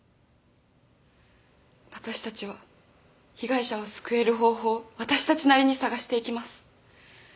私たちは被害者を救える方法を私たちなりに探していきます。